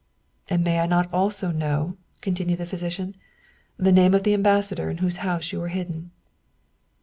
" And may I not also know," continued the physician, " the name of the ambassador in whose house you were hidden?